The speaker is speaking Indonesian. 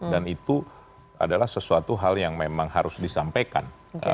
dan itu adalah sesuatu hal yang memang harus disampaikan